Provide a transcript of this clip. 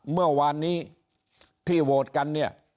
เมื่อวานนี้ที่โหวตกันเนี่ย